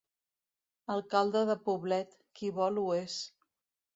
Alcalde de poblet, qui vol ho és.